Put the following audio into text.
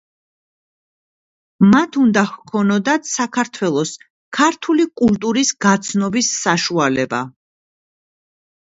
მათ უნდა ჰქონოდათ საქართველოს, ქართული კულტურის გაცნობის საშუალება.